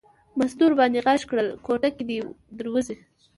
مستو ور باندې غږ کړل کوټه کې دی در وځي.